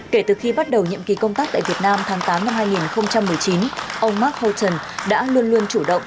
kể từ khi bắt đầu nhiệm kỳ công tác tại việt nam tháng tám năm hai nghìn một mươi chín ông mark houghton đã luôn luôn chủ động